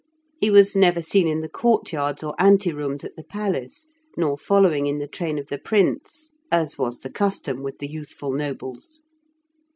He was never seen in the courtyards or ante rooms at the palace, nor following in the train of the Prince, as was the custom with the youthful nobles.